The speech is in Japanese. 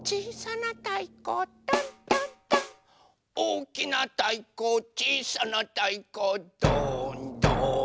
「おおきなたいこちいさなたいこドーンドーン」